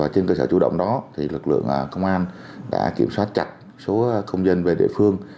trên cơ sở chủ động đó lực lượng công an đã kiểm soát chặt số công dân về địa phương